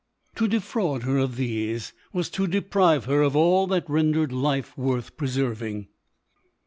To defraud her of these, was to deprive her of all that rendered life worth preserving.